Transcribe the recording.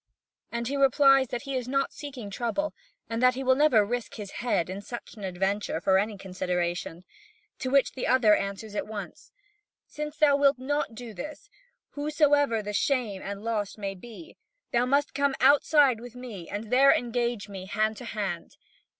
And he replies that he is not seeking trouble, and that he will never risk his head in such an adventure for any consideration. To which the other answers at once: "Since thou wilt not do this, whosesoever the shame and loss may be, thou must come outside with me and there engage me hand to hand."